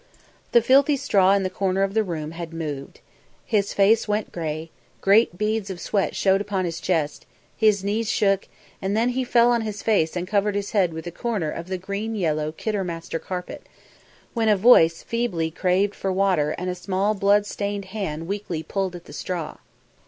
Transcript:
The filthy straw in the corner of the room had moved. His face went grey; great beads of sweat showed upon his chest, his knees shook, then he fell on his face and covered his head with a corner of the green yellow Kidderminster carpet, when a voice feebly craved for water and a small blood stained hand weakly pulled at the straw.